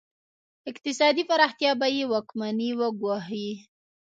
اقتصادي پراختیا به یې واکمني وګواښي.